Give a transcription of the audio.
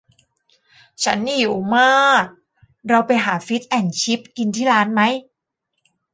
ฉันหิวมาก เราไปหาฟิชแอนด์ชิพกินที่ร้านไหม